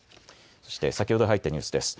そして先ほど入ったニュースです。